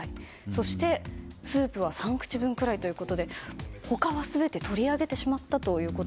そして、スープは３口分ぐらいということで他は全て取り上げてしまったと。